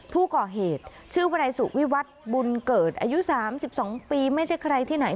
ผู้ก่อเหตุชื่อวนายสุวิวัตรบุญเกิดอายุ๓๒ปีไม่ใช่ใครที่ไหน